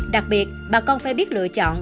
đặc biệt bà con phải biết lựa chọn